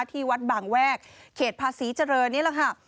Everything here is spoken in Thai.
ที่วัดบางแวกเขตภาษีเจริญนี่แหละค่ะ